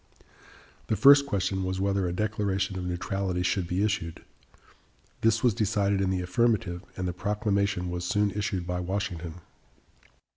The first question was whether a declaration of neutrality should be issued. This was decided in the affirmative, and the proclamation was soon issued by Washington.